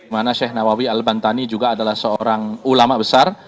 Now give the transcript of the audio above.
mana sheikh nawawi al bantani juga adalah seorang ulama besar